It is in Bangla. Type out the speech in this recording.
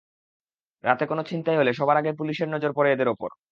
রাতে কোনো ছিনতাই হলে সবার আগে পুলিশের নজর পড়ে এদের ওপর।